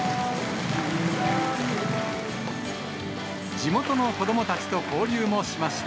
地元の子どもたちと交流もしました。